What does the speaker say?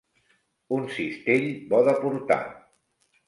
Un cistell bo de portar.